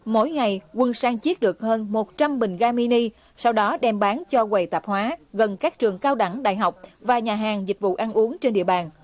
mỗi ngày quân sang chiết được hơn một trăm linh bình ga mini sau đó đem bán cho quầy tạp hóa gần các trường cao đẳng đại học và nhà hàng dịch vụ ăn uống trên địa bàn